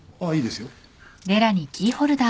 いいですよ。